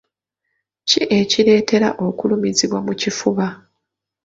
Ki ekireetera okulumizibwa mu kifuba?